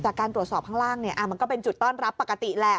จากการตรวจสอบข้างล่างมันก็เป็นจุดต้อนรับปกติแหละ